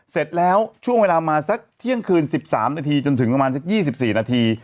เสร็จแล้วช่วงเวลามาสักเที่ยงคืน๑๓นาทีจนถึงประมาณสัก๒๔นาที